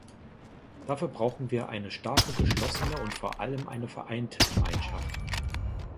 Dafür brauchen wir eine starke, geschlossene und vor allem eine vereinte Gemeinschaft.